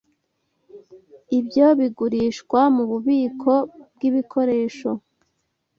Ibyo bigurishwa mububiko bwibikoresho.